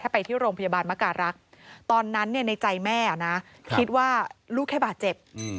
ไปที่โรงพยาบาลมการรักษ์ตอนนั้นในใจแม่นะคิดว่าลูกแค่บาดเจ็บ